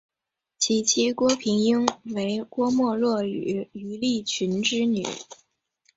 其妻郭平英为郭沫若与于立群之女。